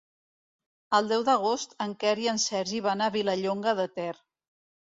El deu d'agost en Quer i en Sergi van a Vilallonga de Ter.